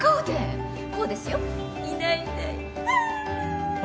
いないいないばあ。